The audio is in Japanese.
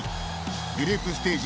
グループステージ